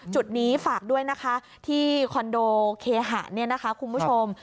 จุดนี้ฝากด้วยนะคะที่คอนโดเคหะคุณผู้ชม